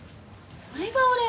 これがお礼？